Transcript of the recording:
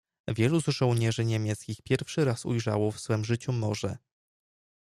"Wielu z żołnierzy niemieckich pierwszy raz ujrzało w swem życiu morze."